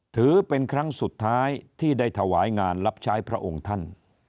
ถือเป็นครั้งสุดท้ายที่ได้ถวายงานรับใช้พระองค์ท่าน